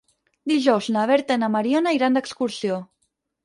Dijous na Berta i na Mariona iran d'excursió.